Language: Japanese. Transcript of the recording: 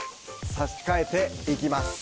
差し替えていきます。